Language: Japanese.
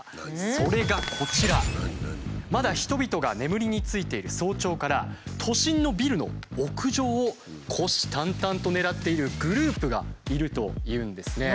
まだ人々が眠りについている早朝から都心のビルの屋上を虎視眈々と狙っているグループがいるというんですね。